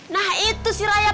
nah itu si raya